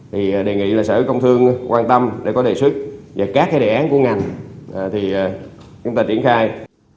thì đề nghị là sở công thương quan tâm để có đề xuất và các cái đề án của ngành thì chúng ta triển khai